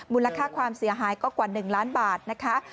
มูลค่าความเสียหายก็กว่า๑ล้านบาทนะคะ